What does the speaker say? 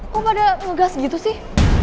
kok pada ngegas gitu sih